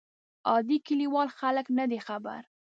عادي کلیوال خلک نه دي خبر.